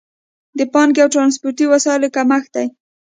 د پانګې او ترانسپورتي وسایلو کمښت دی.